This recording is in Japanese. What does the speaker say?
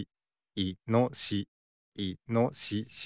いのしし。